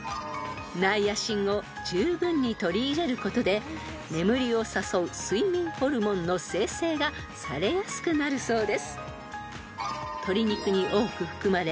［ナイアシンをじゅうぶんに取り入れることで眠りを誘う睡眠ホルモンの生成がされやすくなるそうです］